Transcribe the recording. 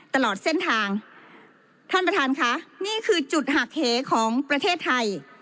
ตลอดเส้นทางท่านประธานค่ะนี่คือจุดหักเหของประเทศไทย